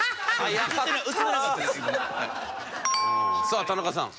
さあ田中さん。